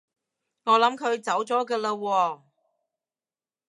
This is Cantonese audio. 我諗佢走咗㗎喇喎